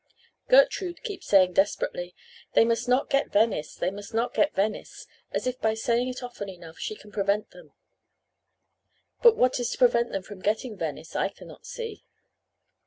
Gertrude keeps saying desperately, 'They must not get Venice they must not get Venice,' as if by saying it often enough she can prevent them. But what is to prevent them from getting Venice I cannot see.